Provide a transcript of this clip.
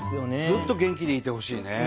ずっと元気でいてほしいね。